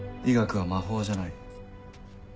医学は魔法じゃない。